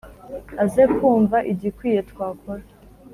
Aze kumva igikwiye twakora.